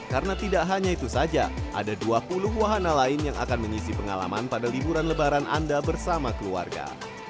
karena tidak hanya itu saja ada dua puluh wahana lain yang akan menyisi pengalaman pada liburan lebaran anda bersama keluarga